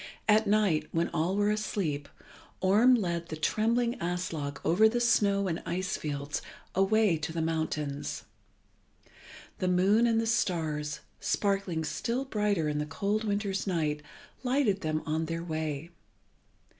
At night, when all were asleep, Orm led the trembling Aslog over the snow and ice fields away to the mountains. The moon and the stars, sparkling still brighter in the cold winter's night, lighted them on their way.